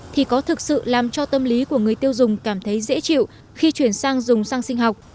thì có thực sự làm cho tâm lý của người tiêu dùng cảm thấy dễ chịu khi chuyển sang dùng săng sinh học